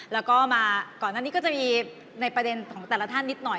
แล้วก็มาก่อนหน้านี้ก็จะมีในประเด็นของแต่ละท่านนิดหน่อย